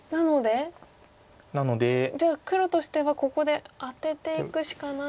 なのでじゃあ黒としてはここでアテていくしかないけれど。